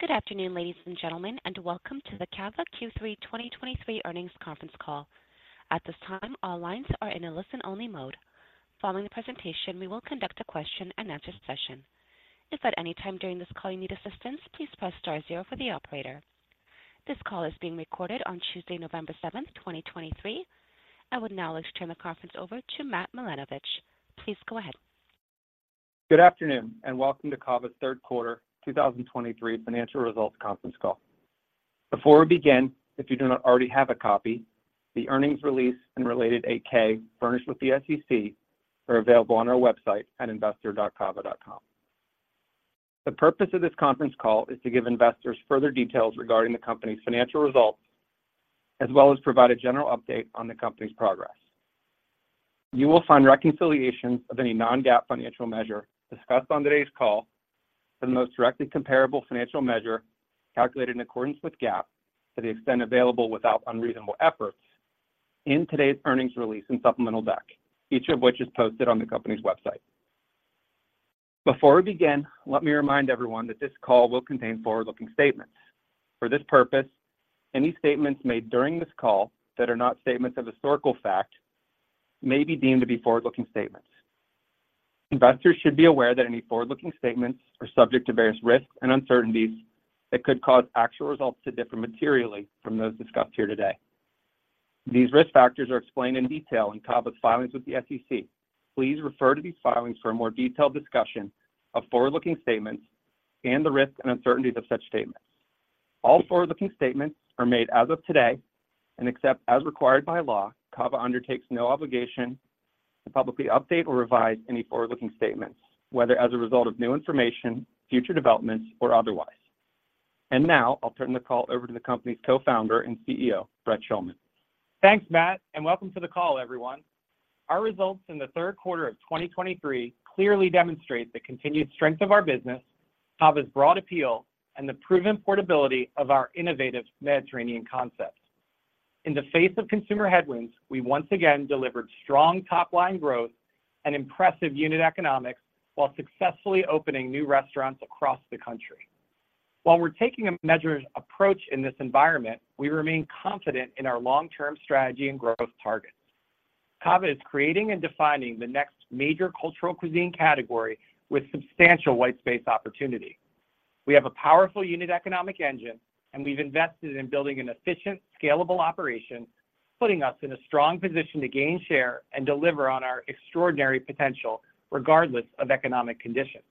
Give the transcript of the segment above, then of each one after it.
Good afternoon, ladies and gentlemen, and welcome to the CAVA Q3 2023 earnings Conference Call. At this time, all lines are in a listen-only mode. Following the presentation, we will conduct a question-and-answer session. If at any time during this call you need assistance, please press star zero for the operator. This call is being recorded on Tuesday, November 7, 2023. I would now like to turn the conference over to Matt Milanovich. Please go ahead. Good afternoon, and welcome to CAVA's third quarter 2023 financial results conference call. Before we begin, if you do not already have a copy, the earnings release and related 8-K furnished with the SEC are available on our website at investor.cava.com. The purpose of this conference call is to give investors further details regarding the company's financial results, as well as provide a general update on the company's progress. You will find reconciliations of any non-GAAP financial measure discussed on today's call for the most directly comparable financial measure, calculated in accordance with GAAP, to the extent available without unreasonable efforts in today's earnings release and supplemental deck, each of which is posted on the company's website. Before we begin, let me remind everyone that this call will contain forward-looking statements. For this purpose, any statements made during this call that are not statements of historical fact may be deemed to be forward-looking statements. Investors should be aware that any forward-looking statements are subject to various risks and uncertainties that could cause actual results to differ materially from those discussed here today. These risk factors are explained in detail in CAVA's filings with the SEC. Please refer to these filings for a more detailed discussion of forward-looking statements and the risks and uncertainties of such statements. All forward-looking statements are made as of today, and except as required by law, CAVA undertakes no obligation to publicly update or revise any forward-looking statements, whether as a result of new information, future developments, or otherwise. Now I'll turn the call over to the company's co-founder and CEO, Brett Schulman. Thanks, Matt, and welcome to the call, everyone. Our results in the third quarter of 2023 clearly demonstrate the continued strength of our business, CAVA's broad appeal, and the proven portability of our innovative Mediterranean concepts. In the face of consumer headwinds, we once again delivered strong top-line growth and impressive unit economics while successfully opening new restaurants across the country. While we're taking a measured approach in this environment, we remain confident in our long-term strategy and growth targets. CAVA is creating and defining the next major cultural cuisine category with substantial white space opportunity. We have a powerful unit economic engine, and we've invested in building an efficient, scalable operation, putting us in a strong position to gain share and deliver on our extraordinary potential, regardless of economic conditions.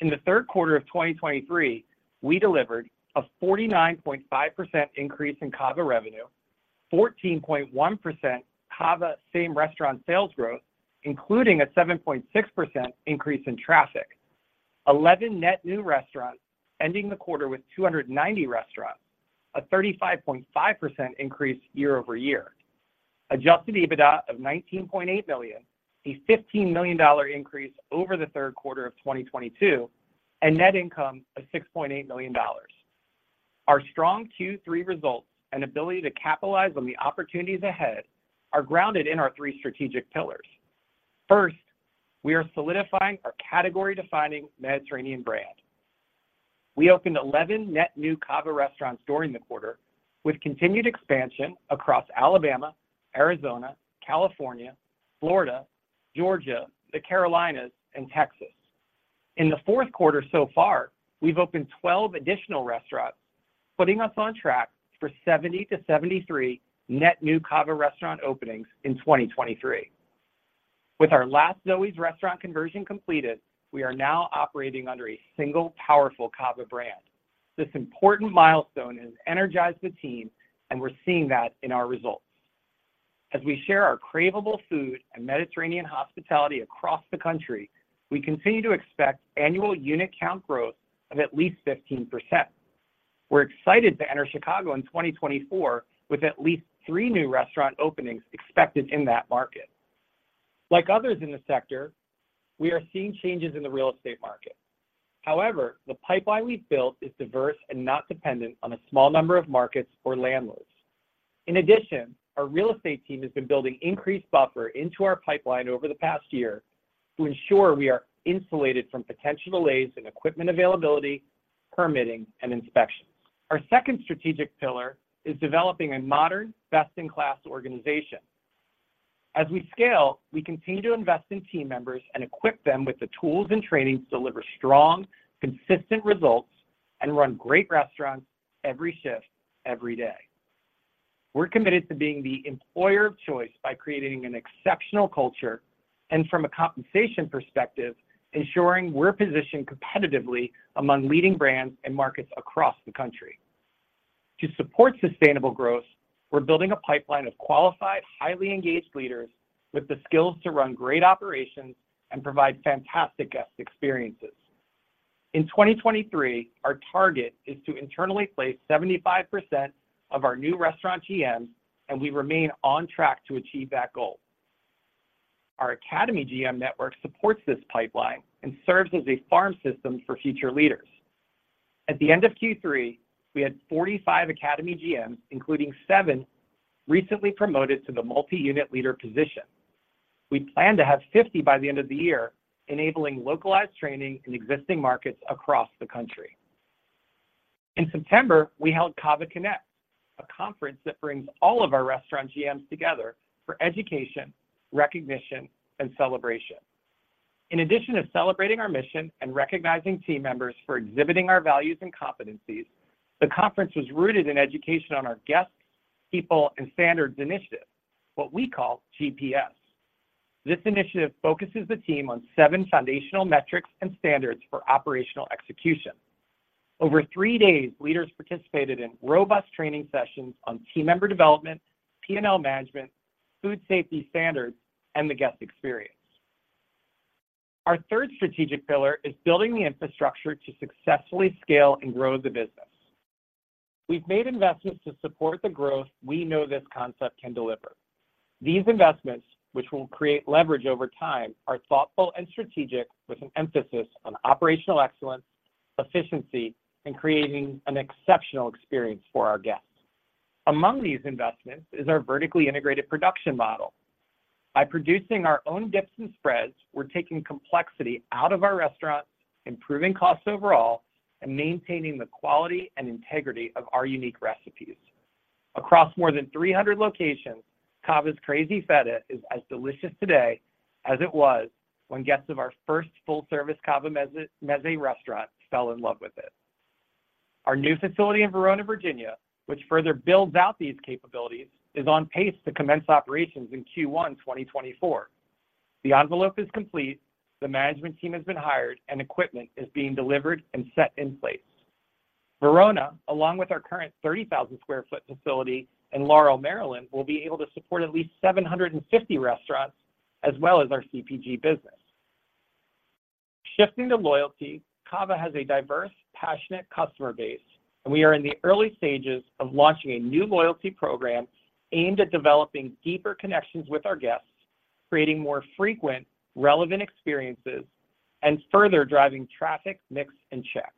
In the third quarter of 2023, we delivered a 49.5% increase in CAVA revenue, 14.1% CAVA same-restaurant sales growth, including a 7.6% increase in traffic. 11 net new restaurants, ending the quarter with 290 restaurants, a 35.5% increase year-over-year. Adjusted EBITDA of $19.8 million, a $15 million increase over the third quarter of 2022, and net income of $6.8 million. Our strong Q3 results and ability to capitalize on the opportunities ahead are grounded in our three strategic pillars. First, we are solidifying our category-defining Mediterranean brand. We opened 11 net new CAVA restaurants during the quarter, with continued expansion across Alabama, Arizona, California, Florida, Georgia, the Carolinas, and Texas. In the fourth quarter so far, we've opened 12 additional restaurants, putting us on track for 70-73 net new CAVA restaurant openings in 2023. With our last Zoës restaurant conversion completed, we are now operating under a single powerful CAVA brand. This important milestone has energized the team, and we're seeing that in our results. As we share our craveable food and Mediterranean hospitality across the country, we continue to expect annual unit count growth of at least 15%. We're excited to enter Chicago in 2024, with at least three new restaurant openings expected in that market. Like others in the sector, we are seeing changes in the real estate market. However, the pipeline we've built is diverse and not dependent on a small number of markets or landlords. In addition, our real estate team has been building increased buffer into our pipeline over the past year to ensure we are insulated from potential delays in equipment availability, permitting, and inspections. Our second strategic pillar is developing a modern best-in-class organization. As we scale, we continue to invest in team members and equip them with the tools and training to deliver strong, consistent results and run great restaurants every shift, every day. We're committed to being the employer of choice by creating an exceptional culture and from a compensation perspective, ensuring we're positioned competitively among leading brands and markets across the country. To support sustainable growth, we're building a pipeline of qualified, highly engaged leaders with the skills to run great operations and provide fantastic guest experiences. In 2023, our target is to internally place 75% of our new restaurant GMs, and we remain on track to achieve that goal. Our Academy GM network supports this pipeline and serves as a farm system for future leaders. At the end of Q3, we had 45 Academy GMs, including seven recently promoted to the multi-unit leader position. We plan to have 50 by the end of the year, enabling localized training in existing markets across the country. In September, we held CAVA Connect, a conference that brings all of our restaurant GMs together for education, recognition, and celebration. In addition to celebrating our mission and recognizing team members for exhibiting our values and competencies, the conference was rooted in education on our guests, people, and standards initiative, what we call GPS. This initiative focuses the team on seven foundational metrics and standards for operational execution. Over three days, leaders participated in robust training sessions on team member development, PNL management, food safety standards, and the guest experience. Our 3rd strategic pillar is building the infrastructure to successfully scale and grow the business. We've made investments to support the growth we know this concept can deliver. These investments, which will create leverage over time, are thoughtful and strategic, with an emphasis on operational excellence, efficiency, and creating an exceptional experience for our guests. Among these investments is our vertically integrated production model. By producing our own dips and spreads, we're taking complexity out of our restaurants, improving costs overall, and maintaining the quality and integrity of our unique recipes. Across more than 300 locations, CAVA's Crazy Feta is as delicious today as it was when guests of our first full-service CAVA Mezze restaurant fell in love with it. Our new facility in Verona, Virginia, which further builds out these capabilities, is on pace to commence operations in Q1 2024. The envelope is complete, the management team has been hired, and equipment is being delivered and set in place. Verona, along with our current 30,000 sq ft facility in Laurel, Maryland, will be able to support at least 750 restaurants, as well as our CPG business. Shifting to loyalty, CAVA has a diverse, passionate customer base, and we are in the early stages of launching a new loyalty program aimed at developing deeper connections with our guests, creating more frequent, relevant experiences, and further driving traffic, mix, and check.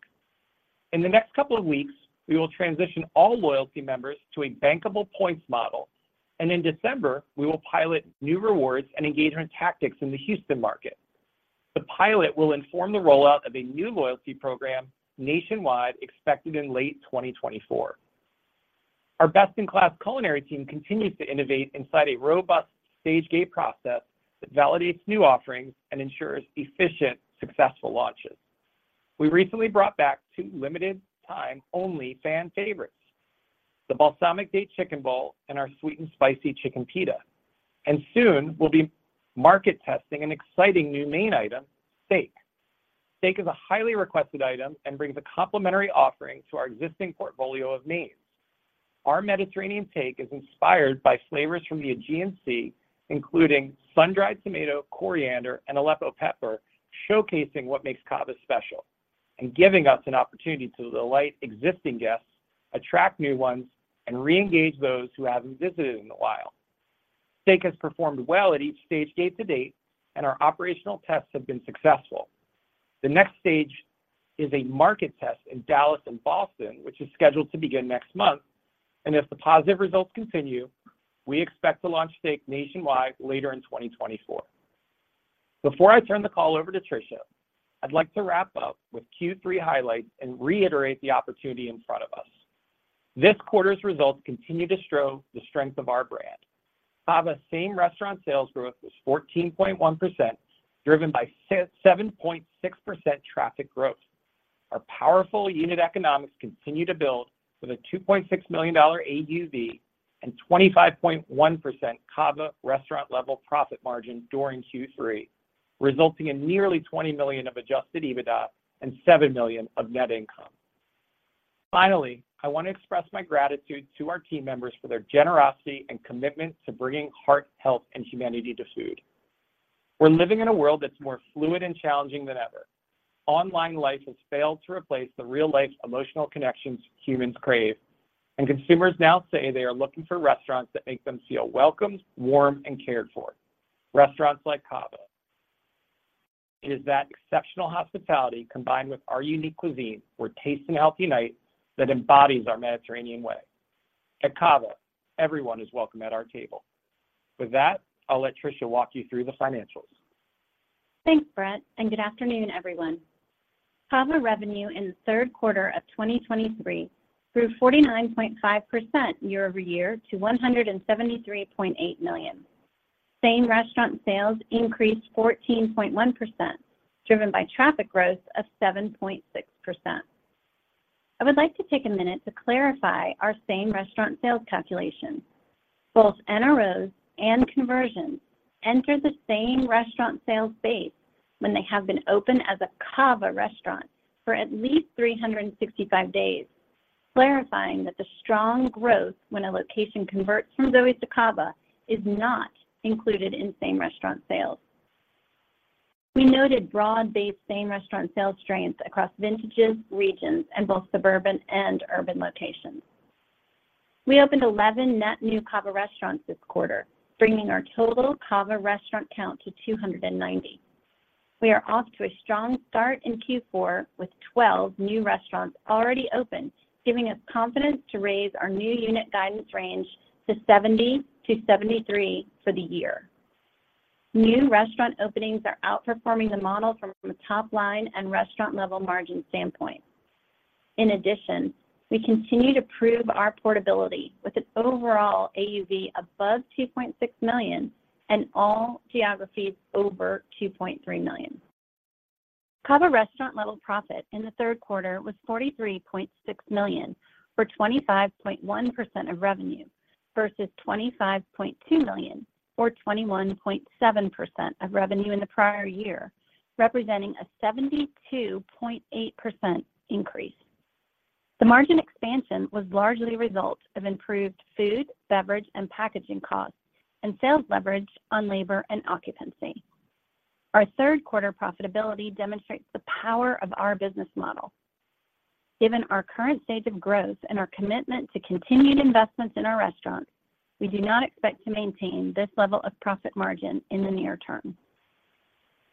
In the next couple of weeks, we will transition all loyalty members to a bankable points model, and in December, we will pilot new rewards and engagement tactics in the Houston market. The pilot will inform the rollout of a new loyalty program nationwide, expected in late 2024. Our best-in-class culinary team continues to innovate inside a robust Stage Gate Process that validates new offerings and ensures efficient, successful launches. We recently brought back two limited time only fan favorites, the Balsamic Date Chicken Bowl and our Sweet and Spicy Chicken Pita. Soon, we'll be market testing an exciting new main item, steak. Steak is a highly requested item and brings a complimentary offering to our existing portfolio of mains. Our Mediterranean take is inspired by flavors from the Aegean Sea, including sun-dried tomato, coriander, and Aleppo pepper, showcasing what makes CAVA special and giving us an opportunity to delight existing guests, attract new ones, and reengage those who haven't visited in a while. Steak has performed well at each Stage Gate to date, and our operational tests have been successful. The next stage is a market test in Dallas and Boston, which is scheduled to begin next month, and if the positive results continue, we expect to launch steak nationwide later in 2024. Before I turn the call over to Tricia, I'd like to wrap up with Q3 highlights and reiterate the opportunity in front of us. This quarter's results continue to show the strength of our brand. CAVA same-restaurant sales growth was 14.1%, driven by seven point six percent traffic growth. Our powerful unit economics continue to build with a $2.6 million AUV and 25.1% CAVA restaurant-level profit margin during Q3, resulting in nearly $20 million of Adjusted EBITDA and $7 million of net income. Finally, I want to express my gratitude to our team members for their generosity and commitment to bringing heart, health, and humanity to food. We're living in a world that's more fluid and challenging than ever. Online life has failed to replace the real-life emotional connections humans crave, and consumers now say they are looking for restaurants that make them feel welcomed, warm, and cared for. Restaurants like CAVA. It is that exceptional hospitality, combined with our unique cuisine, where taste and health unite, that embodies our Mediterranean way. At CAVA, everyone is welcome at our table. With that, I'll let Tricia walk you through the financials. Thanks, Brett, and good afternoon, everyone. CAVA revenue in the third quarter of 2023 grew 49.5% year over year to $173.8 million. Same restaurant sales increased 14.1%, driven by traffic growth of 7.6%. I would like to take a minute to clarify our same restaurant sales calculation. Both NROs and conversions enter the same restaurant sales base when they have been open as a CAVA restaurant for at least 365 days, clarifying that the strong growth when a location converts from Zoës to CAVA is not included in same-restaurant sales. We noted broad-based same-restaurant sales strengths across vintages, regions, and both suburban and urban locations. We opened 11 net new CAVA restaurants this quarter, bringing our total CAVA restaurant count to 290. We are off to a strong start in Q4 with 12 new restaurants already open, giving us confidence to raise our new unit guidance range to 70-73 for the year. New restaurant openings are outperforming the model from a top line and restaurant-level margin standpoint. In addition, we continue to prove our portability with an overall AUV above $2.6 million and all geographies over $2.3 million. CAVA restaurant-level profit in the third quarter was $43.6 million, or 25.1% of revenue, versus $25.2 million or 21.7% of revenue in the prior year, representing a 72.8% increase. The margin expansion was largely a result of improved food, beverage, and packaging costs and sales leverage on labor and occupancy. Our third quarter profitability demonstrates the power of our business model. Given our current stage of growth and our commitment to continued investments in our restaurants, we do not expect to maintain this level of profit margin in the near term.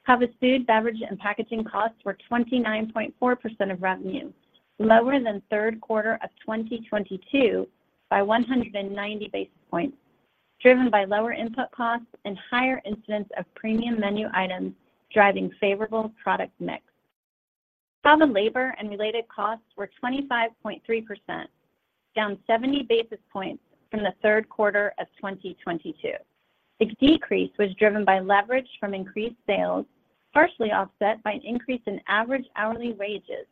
CAVA food, beverage, and packaging costs were 29.4% of revenue, lower than third quarter of 2022 by 190 basis points, driven by lower input costs and higher incidence of premium menu items, driving favorable product mix. CAVA labor and related costs were 25.3%, down 70 basis points from the third quarter of 2022. The decrease was driven by leverage from increased sales, partially offset by an increase in average hourly wages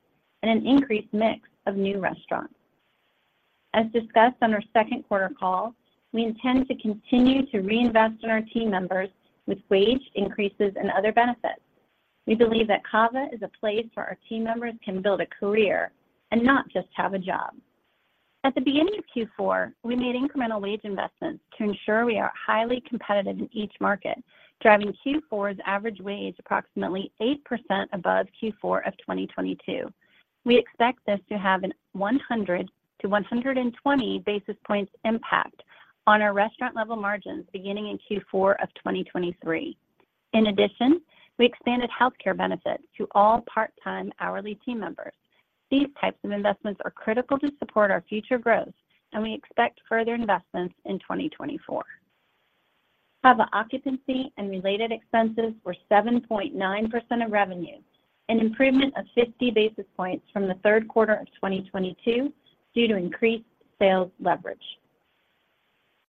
and an increased mix of new restaurants. As discussed on our second quarter call, we intend to continue to reinvest in our team members with wage increases and other benefits. We believe that CAVA is a place where our team members can build a career and not just have a job. At the beginning of Q4, we made incremental wage investments to ensure we are highly competitive in each market, driving Q4's average wage approximately 8% above Q4 of 2022. We expect this to have a 100-120 basis points impact on our restaurant level margins beginning in Q4 of 2023. In addition, we expanded healthcare benefits to all part-time hourly team members. These types of investments are critical to support our future growth, and we expect further investments in 2024. CAVA occupancy and related expenses were 7.9% of revenue, an improvement of 50 basis points from the third quarter of 2022 due to increased sales leverage.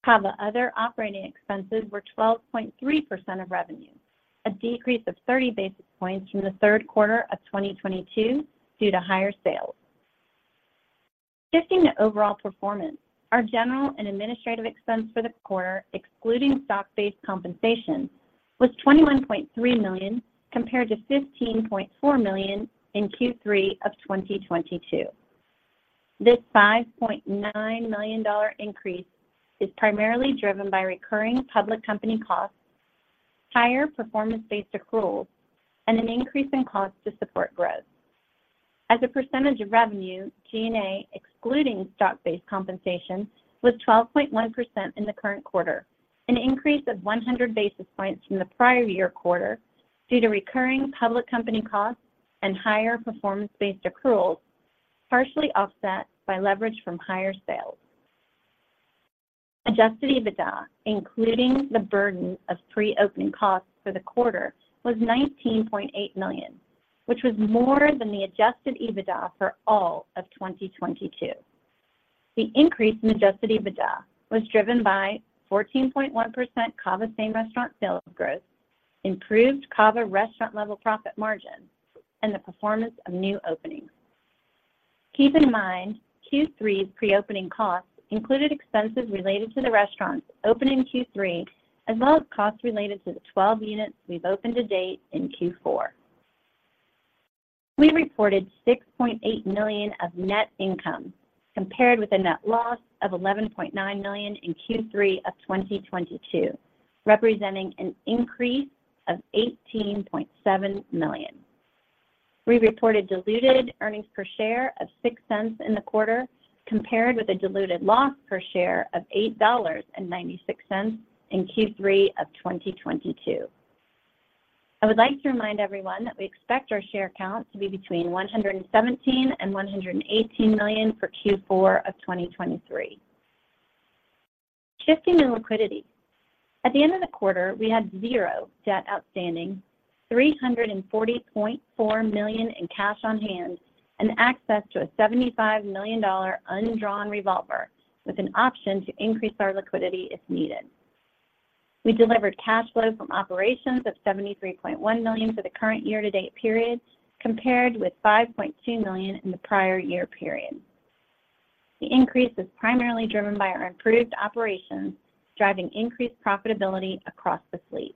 CAVA other operating expenses were 12.3% of revenue, a decrease of 30 basis points from the third quarter of 2022 due to higher sales. Shifting to overall performance, our general and administrative expense for the quarter, excluding stock-based compensation, was $21.3 million, compared to $15.4 million in Q3 of 2022. This $5.9 million increase is primarily driven by recurring public company costs, higher performance-based accruals, and an increase in costs to support growth. As a percentage of revenue, G&A, excluding stock-based compensation, was 12.1% in the current quarter, an increase of 100 basis points from the prior year quarter due to recurring public company costs and higher performance-based accruals, partially offset by leverage from higher sales. Adjusted EBITDA, including the burden of pre-opening costs for the quarter, was $19.8 million, which was more than the adjusted EBITDA for all of 2022. The increase in adjusted EBITDA was driven by 14.1% CAVA same-restaurant sales growth, improved CAVA restaurant level profit margin, and the performance of new openings. Keep in mind, Q3's pre-opening costs included expenses related to the restaurants opened in Q3, as well as costs related to the 12 units we've opened to date in Q4. We reported $6.8 million of net income, compared with a net loss of $11.9 million in Q3 of 2022, representing an increase of $18.7 million. We reported diluted earnings per share of $0.06 in the quarter, compared with a diluted loss per share of $8.96 in Q3 of 2022. I would like to remind everyone that we expect our share count to be between 117 and 118 million for Q4 of 2023. Shifting to liquidity. At the end of the quarter, we had zero debt outstanding, $340.4 million in cash on hand, and access to a $75 million undrawn revolver with an option to increase our liquidity if needed. We delivered cash flow from operations of $73.1 million for the current year to date period, compared with $5.2 million in the prior year period. The increase is primarily driven by our improved operations, driving increased profitability across the fleet.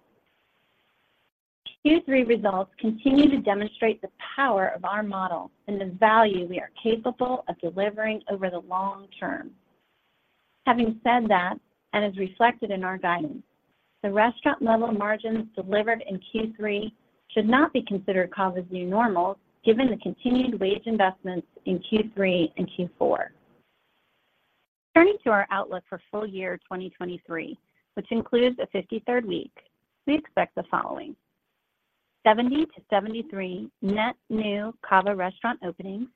Q3 results continue to demonstrate the power of our model and the value we are capable of delivering over the long term. Having said that, and as reflected in our guidance, the restaurant-level margins delivered in Q3 should not be considered CAVA's new normal, given the continued wage investments in Q3 and Q4. Turning to our outlook for full year 2023, which includes a 53rd week, we expect the following: 70-73 net new CAVA restaurant openings,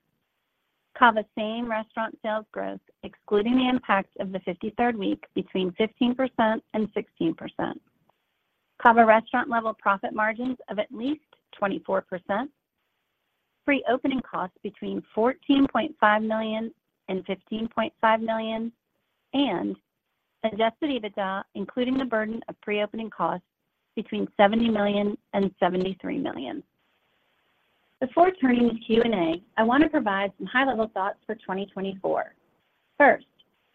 CAVA same-restaurant sales growth, excluding the impact of the 53rd week between 15% and 16%. CAVA restaurant-level profit margins of at least 24%, pre-opening costs between $14.5 million and $15.5 million, and Adjusted EBITDA, including the burden of pre-opening costs, between $70 million and $73 million. Before turning to Q&A, I want to provide some high-level thoughts for 2024. First,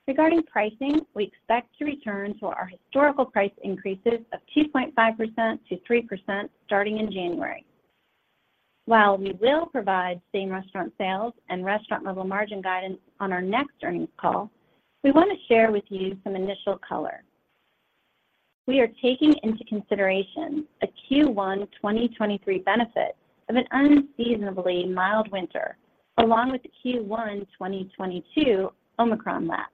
regarding pricing, we expect to return to our historical price increases of 2.5%-3% starting in January. While we will provide same-restaurant sales and restaurant-level margin guidance on our next earnings call, we want to share with you some initial color. We are taking into consideration a Q1 2023 benefit of an unseasonably mild winter, along with the Q1 2022 Omicron lap,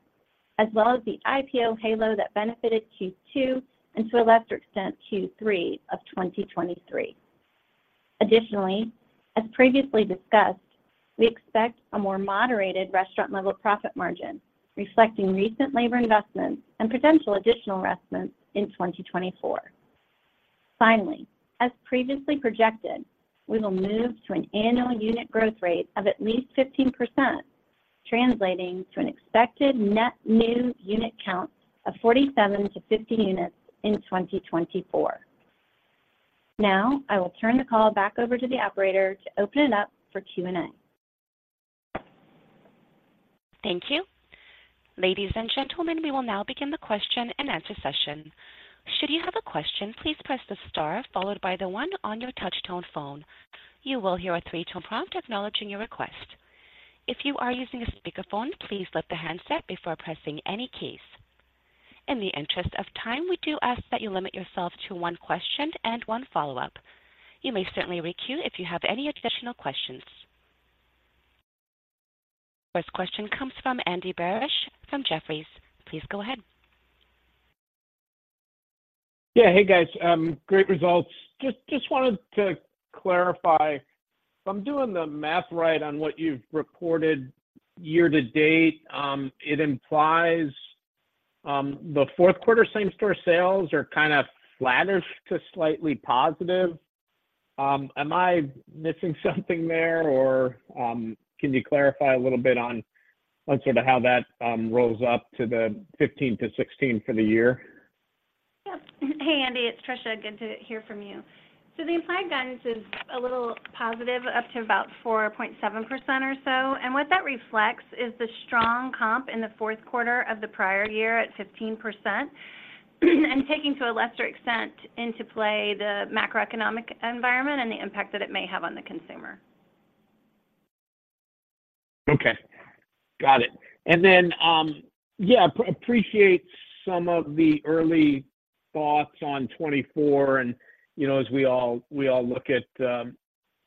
as well as the IPO halo that benefited Q2, and to a lesser extent, Q3 of 2023. Additionally, as previously discussed, we expect a more moderated restaurant-level profit margin, reflecting recent labor investments and potential additional investments in 2024. Finally, as previously projected, we will move to an annual unit growth rate of at least 15%, translating to an expected net new unit count of 47-50 units in 2024. Now, I will turn the call back over to the operator to open it up for Q&A. Thank you. Ladies and gentlemen, we will now begin the question-and-answer session. Should you have a question, please press the star followed by the one on your touchtone phone. You will hear a three-tone prompt acknowledging your request. If you are using a speakerphone, please lift the handset before pressing any keys. In the interest of time, we do ask that you limit yourself to one question and one follow-up. You may certainly queue if you have any additional questions. First question comes from Andy Barish from Jefferies. Please go ahead. Yeah. Hey, guys, great results. Just wanted to clarify. If I'm doing the math right on what you've reported year to date, it implies the fourth quarter same-store sales are kind of flatish to slightly positive. Am I missing something there, or can you clarify a little bit on sort of how that rolls up to the 15%-16% for the year? Yep. Hey, Andy, it's Tricia. Good to hear from you. So the implied guidance is a little positive, up to about 4.7% or so. And what that reflects is the strong comp in the fourth quarter of the prior year at 15%, and taking to a lesser extent into play, the macroeconomic environment and the impact that it may have on the consumer. Okay, got it. And then, yeah, appreciate some of the early thoughts on 2024 and, you know, as we all, we all look at,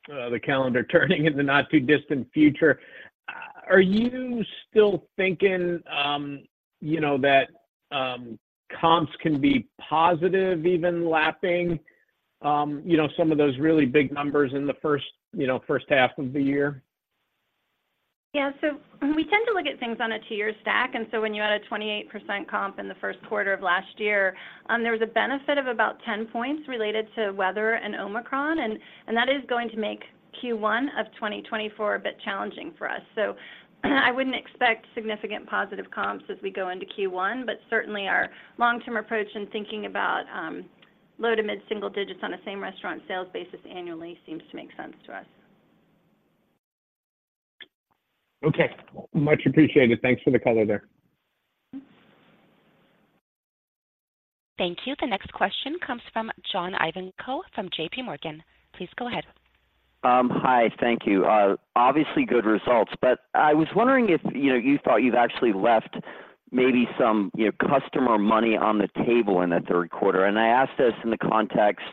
the calendar turning in the not-too-distant future, are you still thinking, you know, that, comps can be positive, even lapping, you know, some of those really big numbers in the first, you know, first half of the year? Yeah. So we tend to look at things on a two year stack, and so when you had a 28% comp in the first quarter of last year, there was a benefit of about 10 points related to weather and Omicron, and that is going to make Q1 of 2024 a bit challenging for us. So I wouldn't expect significant positive comps as we go into Q1, but certainly our long-term approach in thinking about low to mid single digits on a same-restaurant sales basis annually seems to make sense to us. Okay. Much appreciated. Thanks for the color there. Thank you. The next question comes from John Ivankoe from JP Morgan. Please go ahead. Hi, thank you. Obviously good results, but I was wondering if, you know, you thought you've actually left maybe some, you know, customer money on the table in that third quarter. And I ask this in the context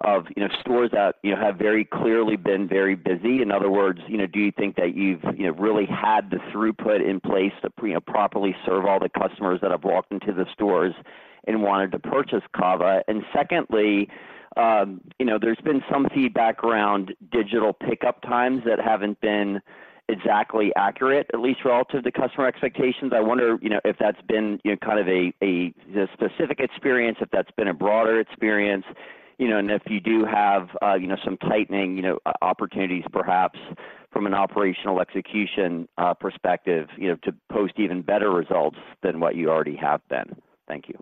of, you know, stores that, you know, have very clearly been very busy. In other words, you know, do you think that you've, you know, really had the throughput in place to properly serve all the customers that have walked into the stores and wanted to purchase CAVA? And secondly, you know, there's been some feedback around digital pickup times that haven't been exactly accurate, at least relative to customer expectations. I wonder, you know, if that's been, you know, kind of a specific experience, if that's been a broader experience, you know, and if you do have, you know, some tightening, you know, opportunities, perhaps from an operational execution perspective, you know, to post even better results than what you already have then? Thank you.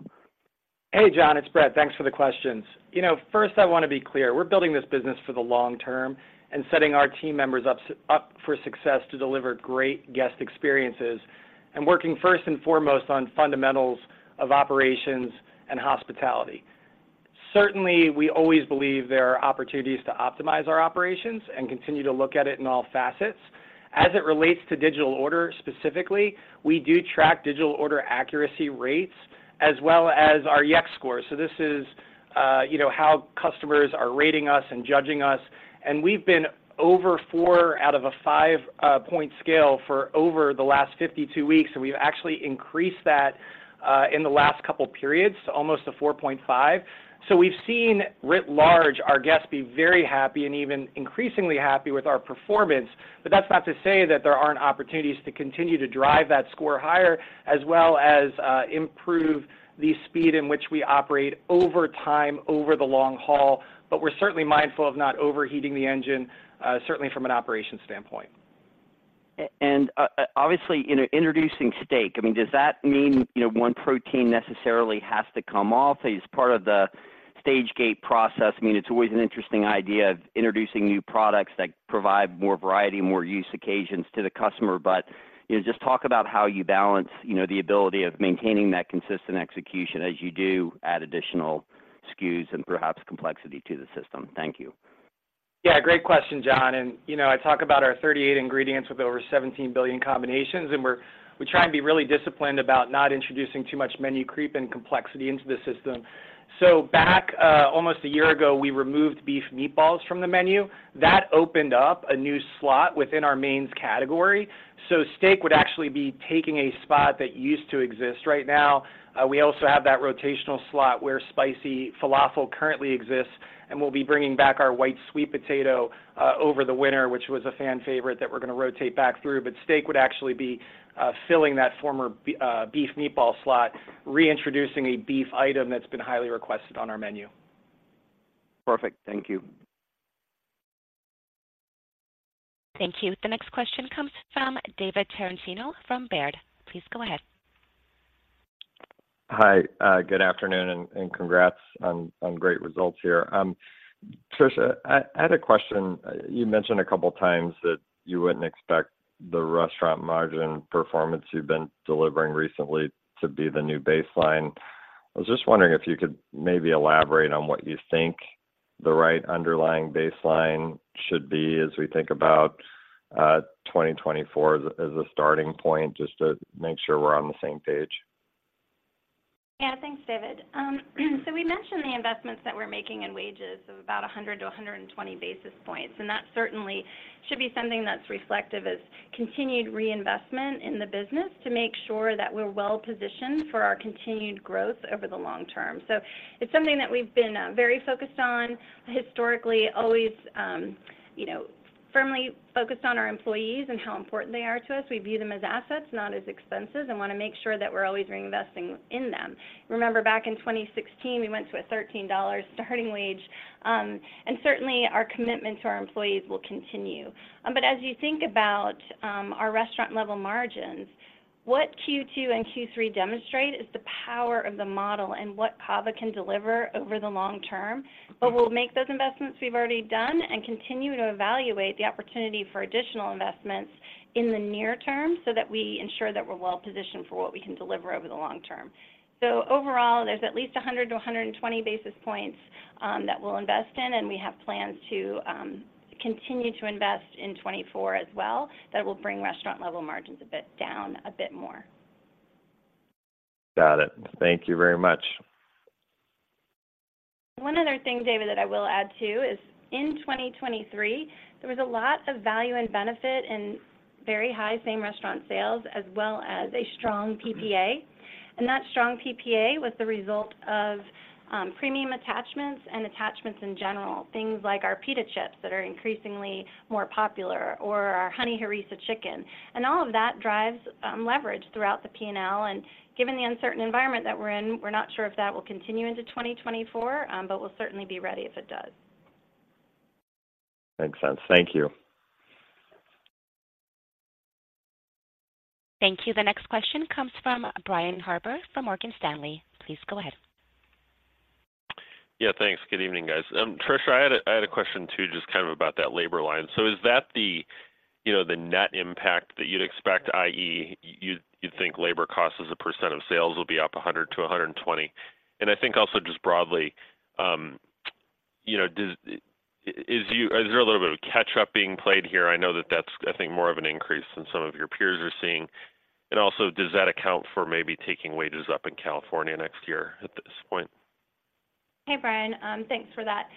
Hey, John, it's Brett. Thanks for the questions. You know, first, I want to be clear, we're building this business for the long term and setting our team members up for success to deliver great guest experiences and working first and foremost on fundamentals of operations and hospitality. Certainly, we always believe there are opportunities to optimize our operations and continue to look at it in all facets. As it relates to digital order specifically we do track digital order accuracy rates as well as our Yext score. So this is, you know, how customers are rating us and judging us, and we've been over four out of a five point scale for over the last 52 weeks, and we've actually increased that in the last couple of periods, almost a 4.5. So we've seen, writ large, our guests be very happy and even increasingly happy with our performance. But that's not to say that there aren't opportunities to continue to drive that score higher, as well as, improve the speed in which we operate over time, over the long haul. But we're certainly mindful of not overheating the engine, certainly from an operations standpoint. Obviously, you know, introducing steak, I mean, does that mean, you know, one protein necessarily has to come off as part of the Stage Gate Process? I mean, it's always an interesting idea of introducing new products that provide more variety, more use occasions to the customer. But, you know, just talk about how you balance, you know, the ability of maintaining that consistent execution as you do add additional SKUs and perhaps complexity to the system. Thank you. Yeah, great question, John. And, you know, I talk about our 38 ingredients with over 17 billion combinations, and we try and be really disciplined about not introducing too much menu creep and complexity into the system. So back almost a year ago, we removed beef meatballs from the menu. That opened up a new slot within our mains category. So steak would actually be taking a spot that used to exist. Right now, we also have that rotational slot where Spicy Falafel currently exists, and we'll be bringing back our White Sweet Potato over the winter, which was a fan favorite that we're going to rotate back through. But steak would actually be filling that former beef meatball slot, reintroducing a beef item that's been highly requested on our menu. Perfect. Thank you. Thank you. The next question comes from David Tarantino from Baird. Please go ahead. Hi. Good afternoon, and congrats on great results here. Tricia, I had a question. You mentioned a couple of times that you wouldn't expect the restaurant margin performance you've been delivering recently to be the new baseline. I was just wondering if you could maybe elaborate on what you think the right underlying baseline should be as we think about 2024 as a starting point, just to make sure we're on the same page? Yeah, thanks, David. So we mentioned the investments that we're making in wages of about 100-120 basis points, and that certainly should be something that's reflective of continued reinvestment in the business to make sure that we're well-positioned for our continued growth over the long term. So it's something that we've been very focused on historically, always, you know, firmly focused on our employees and how important they are to us. We view them as assets, not as expenses, and want to make sure that we're always reinvesting in them. Remember, back in 2016, we went to a $13 starting wage, and certainly, our commitment to our employees will continue. But as you think about our restaurant-level margins, what Q2 and Q3 demonstrate is the power of the model and what CAVA can deliver over the long term. But we'll make those investments we've already done and continue to evaluate the opportunity for additional investments in the near term so that we ensure that we're well-positioned for what we can deliver over the long term. So overall, there's at least 100-120 basis points that we'll invest in, and we have plans to continue to invest in 2024 as well. That will bring restaurant-level margins a bit down a bit more. Got it. Thank you very much. One other thing, David, that I will add, too, is in 2023, there was a lot of value and benefit in very high same-restaurant sales, as well as a strong PPA. That strong PPA was the result of, premium attachments and attachments in general. Things like our pita chips that are increasingly more popular or our Honey Harissa Chicken, and all of that drives, leverage throughout the P&L. Given the uncertain environment that we're in, we're not sure if that will continue into 2024, but we'll certainly be ready if it does. Makes sense. Thank you. Thank you. The next question comes from Brian Harbour from Morgan Stanley. Please go ahead. Yeah, thanks. Good evening, guys. Tricia, I had a, I had a question too, just kind of about that labor line. So is that the, you know, the net impact that you'd expect, i.e., you, you think labor costs as a percent of sales will be up 100-120? And I think also just broadly, you know, does is you is there a little bit of catch up being played here? I know that that's, I think, more of an increase than some of your peers are seeing. And also, does that account for maybe taking wages up in California next year at this point? Hey, Brian. Thanks for that.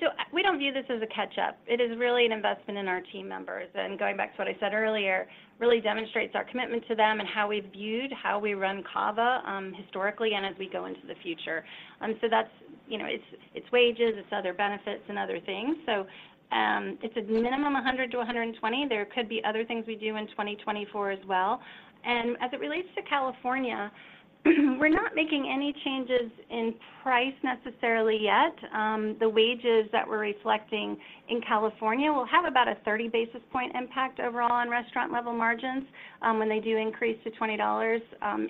So we don't view this as a catch-up. It is really an investment in our team members, and going back to what I said earlier, really demonstrates our commitment to them and how we viewed, how we run CAVA, historically and as we go into the future. So that's, you know, it's wages, it's other benefits and other things. So, it's a minimum of $100-$120. There could be other things we do in 2024 as well. And as it relates to California, we're not making any changes in price necessarily yet. The wages that we're reflecting in California will have about a 30 basis point impact overall on restaurant level margins, when they do increase to $20,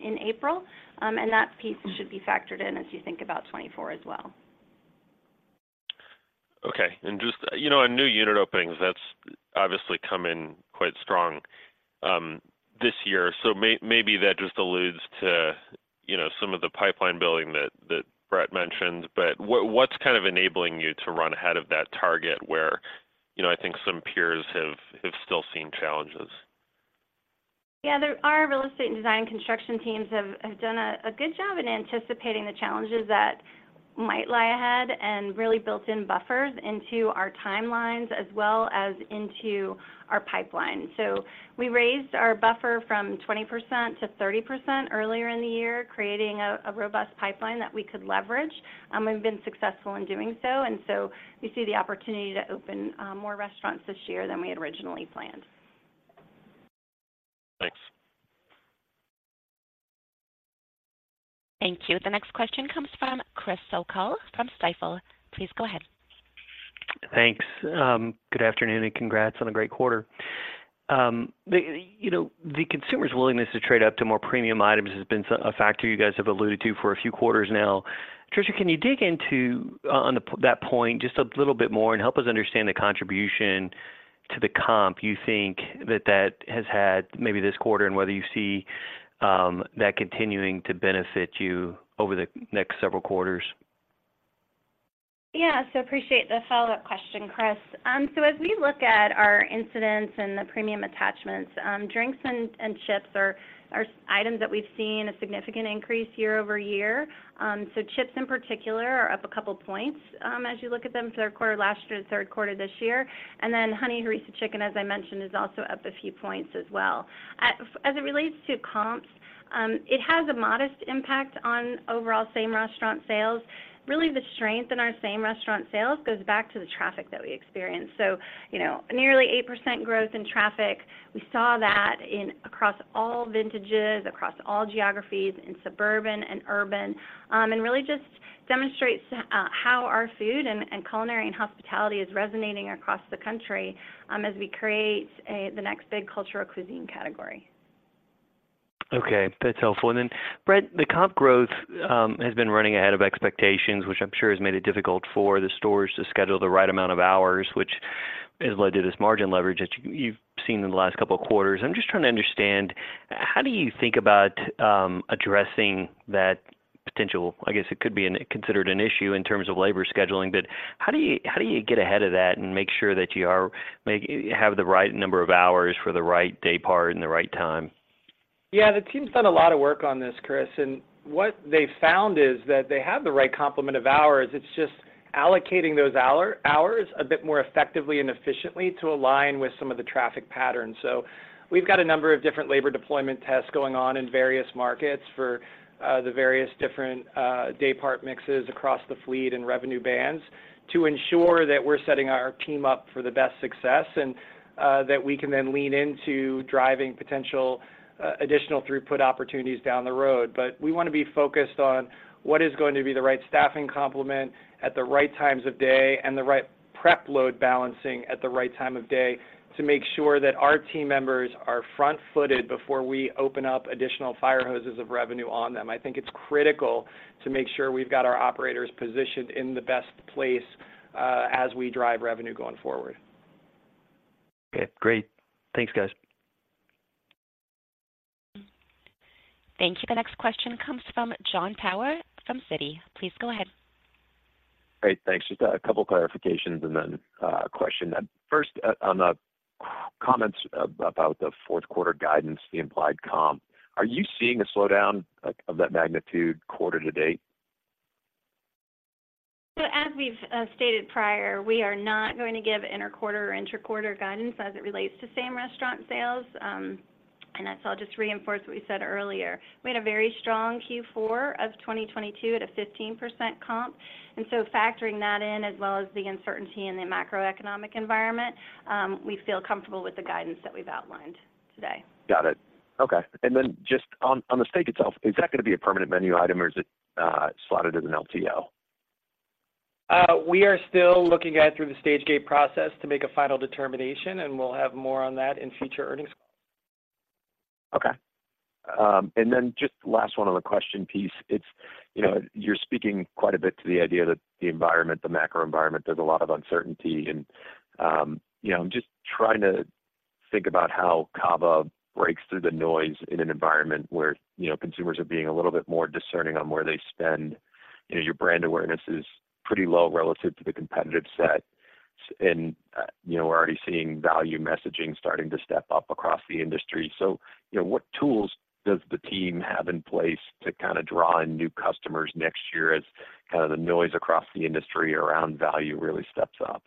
in April. That piece should be factored in as you think about 2024 as well. Okay. And just, you know, on new unit openings, that's obviously come in quite strong this year. So maybe that just alludes to, you know, some of the pipeline building that Brett mentioned. But what's kind of enabling you to run ahead of that target where, you know, I think some peers have still seen challenges? Yeah, our real estate and design construction teams have done a good job in anticipating the challenges that we might lie ahead and really built in buffers into our timelines as well as into our pipeline. So we raised our buffer from 20%-30% earlier in the year, creating a robust pipeline that we could leverage. We've been successful in doing so, and so we see the opportunity to open more restaurants this year than we had originally planned. Thanks. Thank you. The next question comes from Chris O'Cull from Stifel. Please go ahead. Thanks. Good afternoon, and congrats on a great quarter. You know, the consumer's willingness to trade up to more premium items has been so a factor you guys have alluded to for a few quarters now. Tricia, can you dig into that point just a little bit more and help us understand the contribution to the comp you think that that has had maybe this quarter, and whether you see that continuing to benefit you over the next several quarters? Yeah. So appreciate the follow-up question, Chris. So as we look at our incidence and the premium attachments, drinks and chips are items that we've seen a significant increase year over year. So chips in particular are up a couple points, as you look at them, third quarter last year to third quarter this year. And then Honey Harissa Chicken, as I mentioned, is also up a few points as well. As it relates to comps, it has a modest impact on overall same-restaurant sales. Really, the strength in our same-restaurant sales goes back to the traffic that we experience. You know, nearly 8% growth in traffic, we saw that in across all vintages, across all geographies, in suburban and urban, and really just demonstrates how our food and culinary and hospitality is resonating across the country, as we create the next big cultural cuisine category. Okay, that's helpful. And then, Brett, the comp growth has been running ahead of expectations, which I'm sure has made it difficult for the stores to schedule the right amount of hours, which has led to this margin leverage that you've seen in the last couple of quarters. I'm just trying to understand, how do you think about addressing that potential? I guess it could be considered an issue in terms of labor scheduling, but how do you get ahead of that and make sure that you have the right number of hours for the right day part and the right time? Yeah, the team's done a lot of work on this, Chris, and what they found is that they have the right complement of hours. It's just allocating those hours a bit more effectively and efficiently to align with some of the traffic patterns. So we've got a number of different labor deployment tests going on in various markets for the various different day part mixes across the fleet and revenue bands to ensure that we're setting our team up for the best success, and that we can then lean into driving potential additional throughput opportunities down the road. We want to be focused on what is going to be the right staffing complement at the right times of day and the right prep load balancing at the right time of day, to make sure that our team members are front-footed before we open up additional fire hoses of revenue on them. I think it's critical to make sure we've got our operators positioned in the best place as we drive revenue going forward. Okay, great. Thanks, guys. Thank you. The next question comes from Jon Tower, from Citi. Please go ahead. Great, thanks. Just a couple clarifications and then, a question. First, on the comments about the fourth quarter guidance, the implied comp, are you seeing a slowdown of that magnitude quarter to date? So as we've stated prior, we are not going to give interquarter or intraquarter guidance as it relates to same-restaurant sales. And so I'll just reinforce what we said earlier: We had a very strong Q4 of 2022 at a 15% comp, and so factoring that in, as well as the uncertainty in the macroeconomic environment, we feel comfortable with the guidance that we've outlined today. Got it. Okay. And then just on the steak itself, is that going to be a permanent menu item, or is it slotted as an LTO? We are still looking at it through the Stage Gate Process to make a final determination, and we'll have more on that in future earnings. Okay. And then just last one on the question piece. It's, you know, you're speaking quite a bit to the idea that the environment, the macro environment, there's a lot of uncertainty. And, you know, I'm just trying to think about how CAVA breaks through the noise in an environment where, you know, consumers are being a little bit more discerning on where they spend. You know, your brand awareness is pretty low relative to the competitive set, and, you know, we're already seeing value messaging starting to step up across the industry. So, you know, what tools does the team have in place to draw in new customers next year as kind of the noise across the industry around value really steps up?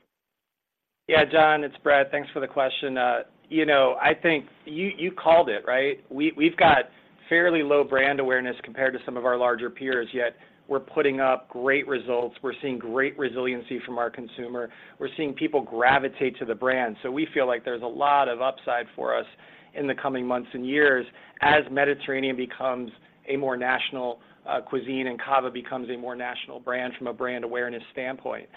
Yeah, John, it's Brett. Thanks for the question. You know, I think you, you called it, right? We, we've got fairly low brand awareness compared to some of our larger peers, yet we're putting up great results. We're seeing great resiliency from our consumer. We're seeing people gravitate to the brand, so we feel like there's a lot of upside for us in the coming months and years as Mediterranean becomes a more national cuisine and CAVA becomes a more national brand from a brand awareness standpoint.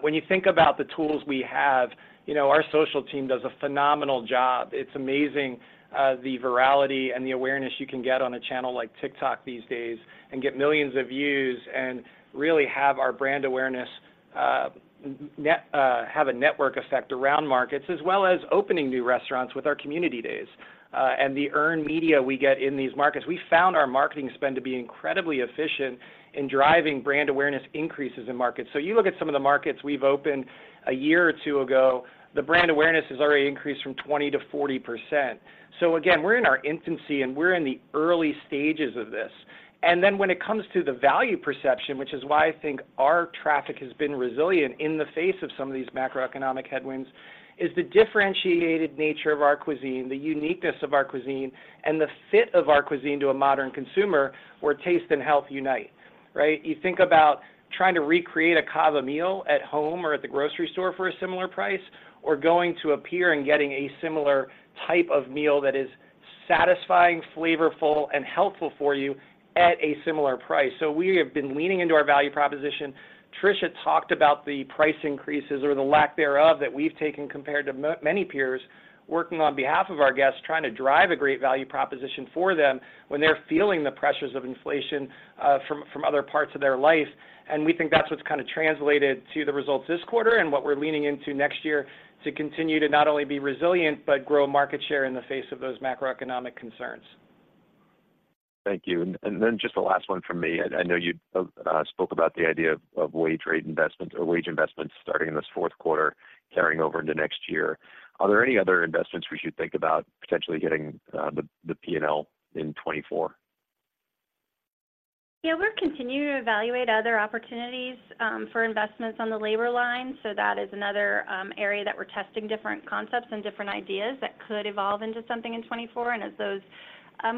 When you think about the tools we have, you know, our social team does a phenomenal job. It's amazing, the virality and the awareness you can get on a channel like TikTok these days and get millions of views and really have our brand awareness, have a network effect around markets, as well as opening new restaurants with our community days, and the earned media we get in these markets. We found our marketing spend to be incredibly efficient in driving brand awareness increases in markets. So you look at some of the markets we've opened a year or two ago, the brand awareness has already increased from 20%-40%. So again, we're in our infancy, and we're in the early stages of this.... And then when it comes to the value perception, which is why I think our traffic has been resilient in the face of some of these macroeconomic headwinds, is the differentiated nature of our cuisine, the uniqueness of our cuisine, and the fit of our cuisine to a modern consumer, where taste and health unite, right? You think about trying to recreate a CAVA meal at home or at the grocery store for a similar price, or going to a pier and getting a similar type of meal that is satisfying, flavorful, and healthful for you at a similar price. So we have been leaning into our value proposition. Tricia talked about the price increases or the lack thereof that we've taken compared to many peers, working on behalf of our guests, trying to drive a great value proposition for them when they're feeling the pressures of inflation from other parts of their life. And we think that's what's kind of translated to the results this quarter and what we're leaning into next year to continue to not only be resilient, but grow market share in the face of those macroeconomic concerns. Thank you. And then just the last one from me. I know you spoke about the idea of wage rate investment or wage investments starting in this fourth quarter, carrying over into next year. Are there any other investments we should think about potentially hitting the P&L in 2024? evaluate other opportunities for investments on the labor line. So that is another area that we're continuing to evaluate other opportunities for investments on the labor line. So that is another area that we're testing different concepts and different ideas that could evolve into something in 2024. And as those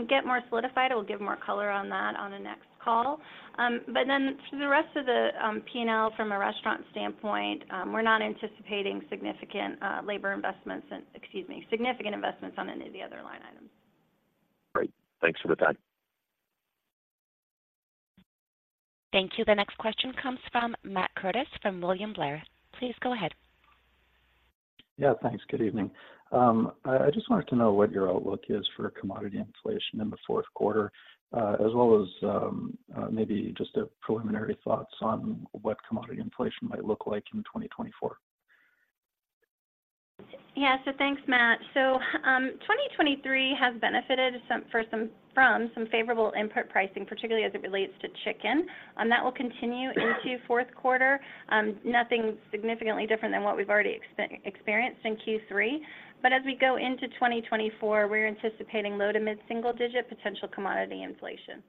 get more solidified, we'll give more color on that on the next call. But then for the rest of the P&L from a restaurant standpoint, we're not anticipating significant labor investments and, excuse me, significant investments on any of the other line items. Great. Thanks for the time. Thank you. The next question comes from Matt Curtis from William Blair. Please go ahead. Yeah, thanks. Good evening. I just wanted to know what your outlook is for commodity inflation in the fourth quarter, as well as, maybe just a preliminary thoughts on what commodity inflation might look like in 2024. Yeah. So thanks, Matt. So, 2023 has benefited some, for some, from some favorable input pricing, particularly as it relates to chicken. That will continue into fourth quarter. Nothing significantly different than what we've already experienced in Q3. But as we go into 2024, we're anticipating low-to-mid single-digit potential commodity inflation.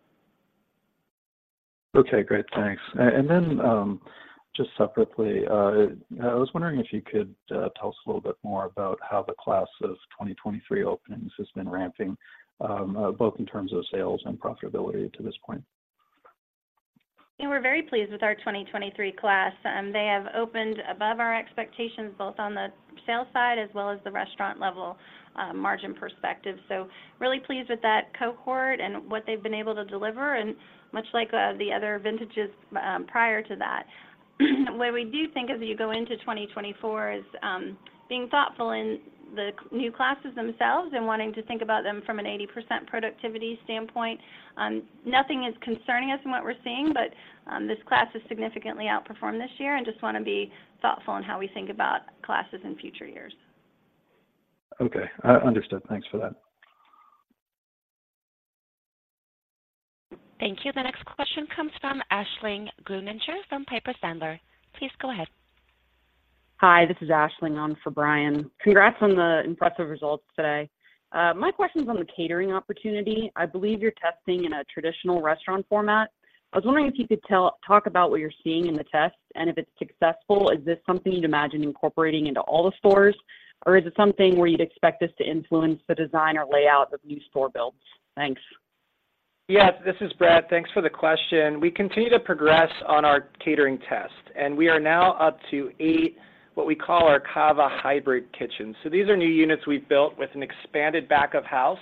Okay, great. Thanks. And then, just separately, I was wondering if you could tell us a little bit more about how the class of 2023 openings has been ramping, both in terms of sales and profitability to this point. Yeah, we're very pleased with our 2023 class. They have opened above our expectations, both on the sales side as well as the restaurant level, margin perspective. So really pleased with that cohort and what they've been able to deliver, and much like, the other vintages, prior to that. Where we do think as you go into 2024 is, being thoughtful in the new classes themselves and wanting to think about them from an 80% productivity standpoint. Nothing is concerning us in what we're seeing, but, this class has significantly outperformed this year and just wanna be thoughtful in how we think about classes in future years. Okay, understood. Thanks for that. Thank you. The next question comes from Aisling Grueninger from Piper Sandler. Please go ahead. Hi, this is Aisling on for Brian. Congrats on the impressive results today. My question is on the catering opportunity. I believe you're testing in a traditional restaurant format. I was wondering if you could talk about what you're seeing in the test, and if it's successful, is this something you'd imagine incorporating into all the stores, or is it something where you'd expect this to influence the design or layout of new store builds? Thanks. Yes, this is Brad. Thanks for the question. We continue to progress on our catering test, and we are now up to 8, what we call our CAVA Hybrid Kitchen. So these are new units we've built with an expanded back-of-house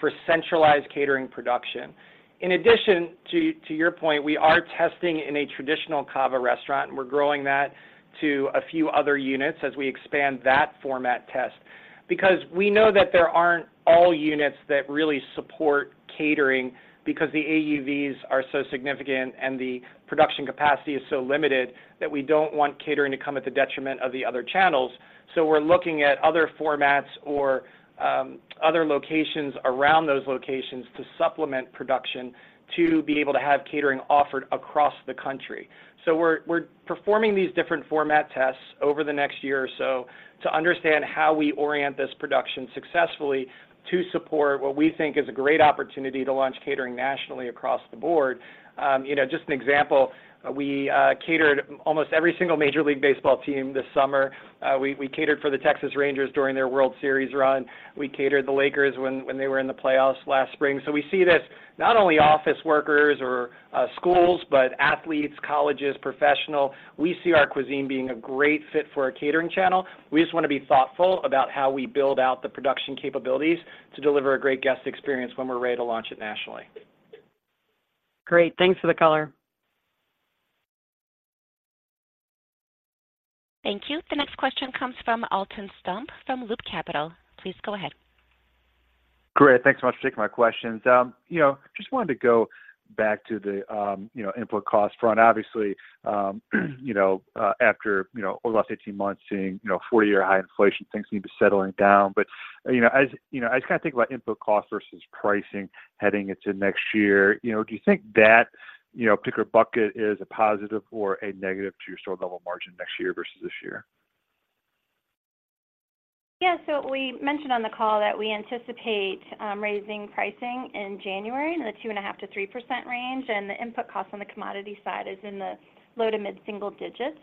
for centralized catering production. In addition to, to your point, we are testing in a traditional CAVA restaurant, and we're growing that to a few other units as we expand that format test. Because we know that there aren't all units that really support catering because the AUVs are so significant and the production capacity is so limited, that we don't want catering to come at the detriment of the other channels. So we're looking at other formats or other locations around those locations to supplement production, to be able to have catering offered across the country. So we're performing these different format tests over the next year or so to understand how we orient this production successfully to support what we think is a great opportunity to launch catering nationally across the board. You know, just an example, we catered almost every single Major League Baseball team this summer. We catered for the Texas Rangers during their World Series run. We catered the Lakers when they were in the playoffs last spring. So we see this, not only office workers or schools, but athletes, colleges, professional. We see our cuisine being a great fit for a catering channel. We just want to be thoughtful about how we build out the production capabilities to deliver a great guest experience when we're ready to launch it nationally. Great. Thanks for the color. Thank you. The next question comes from Alton Stump from Loop Capital. Please go ahead. Great. Thanks so much for taking my questions. You know, just wanted to go back to the, you know, input cost front, obviously, you know, after, you know, over the last 18 months, seeing, you know, 40-year high inflation, things seem to be settling down. But, you know, as you know, I just kind of think about input cost versus pricing heading into next year. You know, do you think that, you know, particular bucket is a positive or a negative to your store level margin next year versus this year? Yeah, so we mentioned on the call that we anticipate raising pricing in January in the 2.5%-3% range, and the input costs on the commodity side is in the low- to mid-single digits%.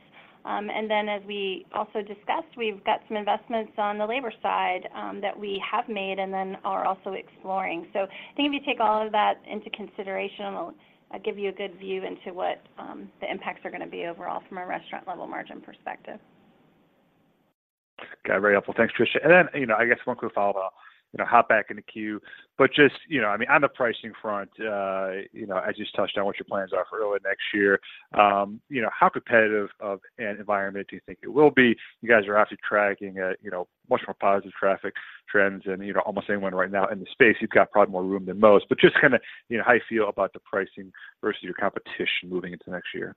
And then as we also discussed, we've got some investments on the labor side that we have made and then are also exploring. So I think if you take all of that into consideration, it'll give you a good view into what the impacts are going to be overall from a restaurant-level margin perspective. Got it. Very helpful. Thanks, Tricia. And then, you know, I guess one quick follow-up, you know, hop back in the queue, but just, you know, I mean, on the pricing front, you know, as you just touched on what your plans are for early next year, you know, how competitive of an environment do you think it will be? You guys are obviously tracking, you know, much more positive traffic trends and, you know, almost anyone right now in the space, you've got probably more room than most. But just kind of, you know, how you feel about the pricing versus your competition moving into next year.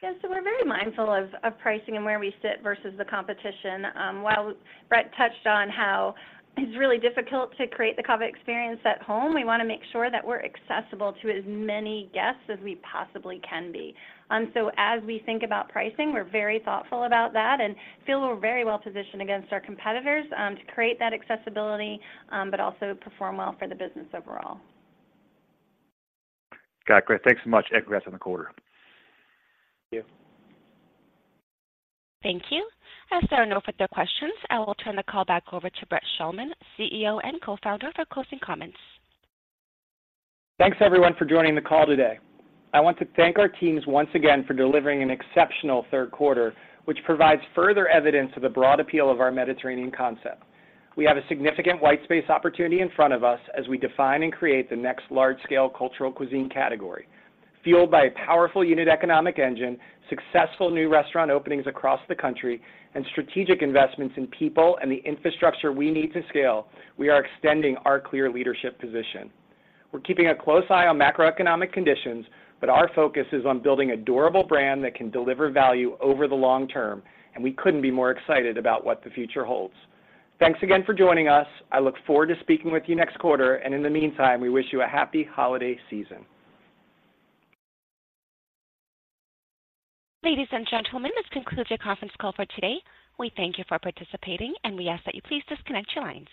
Yeah, so we're very mindful of pricing and where we sit versus the competition. While Brett touched on how it's really difficult to create the CAVA experience at home, we want to make sure that we're accessible to as many guests as we possibly can be. So as we think about pricing, we're very thoughtful about that and feel we're very well positioned against our competitors, to create that accessibility, but also perform well for the business overall. Got it. Great. Thanks so much, and congrats on the quarter. Thank you. Thank you. As there are no further questions, I will turn the call back over to Brett Schulman, CEO and co-founder, for closing comments. Thanks, everyone, for joining the call today. I want to thank our teams once again for delivering an exceptional third quarter, which provides further evidence of the broad appeal of our Mediterranean concept. We have a significant white space opportunity in front of us as we define and create the next large-scale cultural cuisine category. Fueled by a powerful unit economic engine, successful new restaurant openings across the country, and strategic investments in people and the infrastructure we need to scale, we are extending our clear leadership position. We're keeping a close eye on macroeconomic conditions, but our focus is on building a durable brand that can deliver value over the long term, and we couldn't be more excited about what the future holds. Thanks again for joining us. I look forward to speaking with you next quarter, and in the meantime, we wish you a happy holiday season. Ladies and gentlemen, this concludes your conference call for today. We thank you for participating, and we ask that you please disconnect your lines.